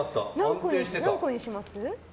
何個にします？